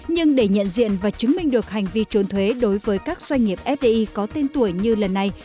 nhưng để nhận diện và chứng minh được hành vi trốn thuế đối với các doanh nghiệp fdi có tên tuổi như lần này